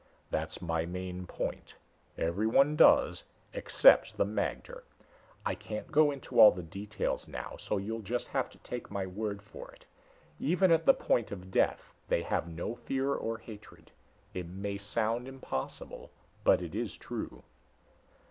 "That's my main point. Everyone does except the magter. I can't go into all the details now, so you'll just have to take my word for it. Even at the point of death they have no fear or hatred. It may sound impossible, but it is true."